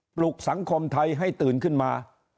ลุกสังคมไทยให้ตื่นขึ้นมา